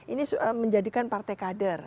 ini menjadikan partai kader